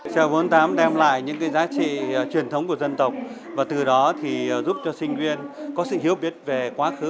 trèo bốn mươi tám đem lại những giá trị truyền thống của dân tộc và từ đó giúp cho sinh viên có sự hiếu biết về quá khứ